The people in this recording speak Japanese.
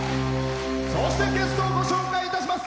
そしてゲストをご紹介いたします。